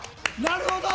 なるほど！